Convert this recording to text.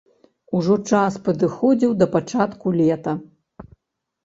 Ужо час падыходзіў да пачатку лета.